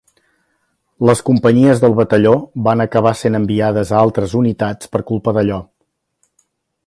Les companyies del batalló van acabar sent enviades a altres unitats per culpa d’allò.